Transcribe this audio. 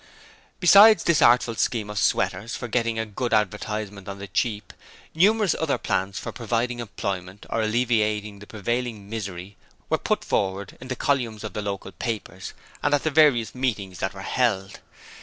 Besides this artful scheme of Sweater's for getting a good advertisement on the cheap, numerous other plans for providing employment or alleviating the prevailing misery were put forward in the columns of the local papers and at the various meetings that were held.